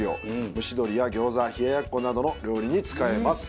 蒸し鶏やギョーザ冷ややっこなどの料理に使えます。